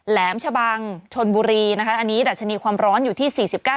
แหลมชะบังชนบุรีอันนี้ดัชนีความร้อนอยู่ที่๔๙๔